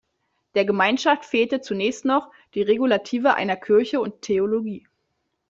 Der Gemeinschaft fehlte zunächst noch die Regulative einer Kirche und Theologie.